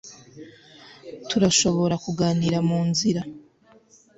Turashobora kuganira munzira